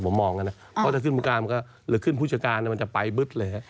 เพราะถ้าขึ้นผู้การหรือขึ้นผู้ชการมันจะไปปึ๊บเลย